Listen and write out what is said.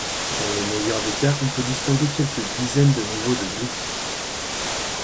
Dans le meilleur des cas, on peut distinguer quelques dizaines de niveaux de gris.